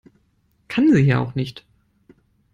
Kann sie ja auch nicht.